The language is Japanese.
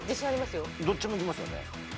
どっちもいけますよね？